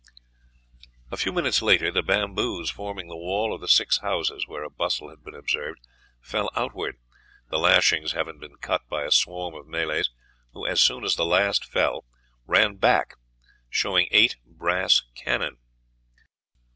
A few minutes later the bamboos forming the wall of the six houses where a bustle had been observed fell outward, the lashings having been cut by a swarm of Malays, who, as soon as the last fell, ran back, showing eight brass cannon.